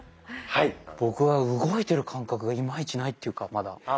僕は動いてる感覚がいまいちないっていうかまだ。